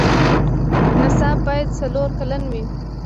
نصاب باید څلور کلن وي.